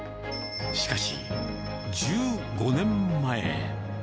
しかし、１５年前。